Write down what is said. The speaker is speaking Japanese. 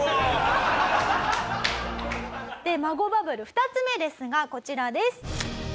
で孫バブル２つ目ですがこちらです。